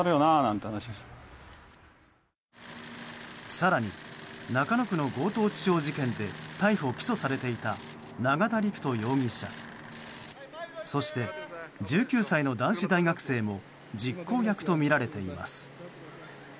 更に中野区の強盗致傷事件で逮捕・起訴されていた永田陸人容疑者そして、１９歳の男子大学生も実行役とみられています。